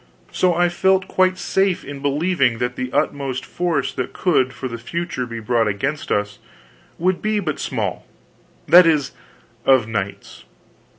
So I felt quite safe in believing that the utmost force that could for the future be brought against us would be but small; that is, of knights.